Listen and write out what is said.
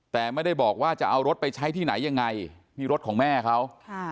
แต่ไม่ได้บอกว่าจะเอารถไปใช้ที่ไหนยังไงนี่รถของแม่เขา